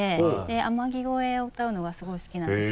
「天城越え」を歌うのがすごい好きなんです。